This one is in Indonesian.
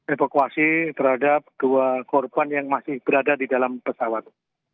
evakuasi terhadap dua korban yang masih berada di dalam pesawat